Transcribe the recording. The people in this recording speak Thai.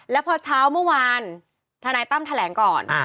แล้วพอเช้าเมื่อวานทนายตั้มแถลงก่อน